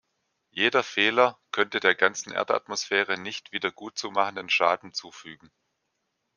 Jeder Fehler könnte der ganzen Erdatmosphäre nicht wiedergutzumachenden Schaden zufügen.